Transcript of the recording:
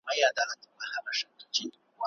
که شعور وي، نو ټولنه به له جموده وژغورل سي.